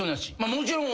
もちろん。